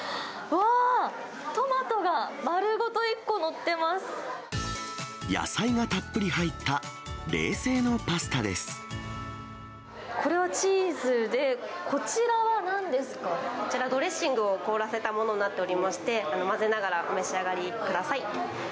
うわー、野菜がたっぷり入った冷製のこれはチーズで、こちらはなこちら、ドレッシングを凍らせたものになっておりまして、混ぜながらお召し上がりください。